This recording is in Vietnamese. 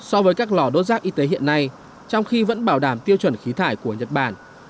so với các lò đốt rác y tế hiện nay trong khi vẫn bảo đảm tiêu chuẩn khí thải của nhật bản